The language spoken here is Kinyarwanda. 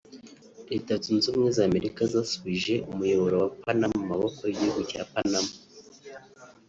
Leta zunze ubumwe za Amerika zasubije umuyoboro wa Panama mu maboko y’igihugu cya Panama